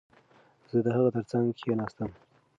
زه د هغه ترڅنګ کښېناستم.